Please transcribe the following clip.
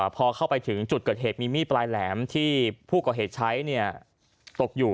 พอเข้าไปถึงจุดเกิดเหตุมีมีดปลายแหลมที่ผู้ก่อเหตุใช้ตกอยู่